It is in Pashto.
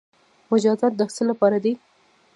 مجازات د څه لپاره دي؟